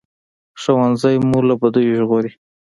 ښوونځی مو له بدیو ژغوري